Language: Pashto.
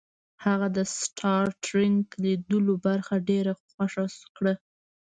هغه د سټار ټریک لیدلو برخه ډیره خوښه کړه